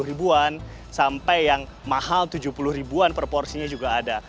rp dua puluh an sampai yang mahal rp tujuh puluh an per porsinya juga ada